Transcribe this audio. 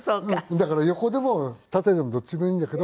だから横でも縦でもどっちでもいいんだけど。